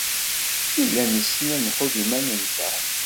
Nella nessen ad nḥudd iman-nteɣ.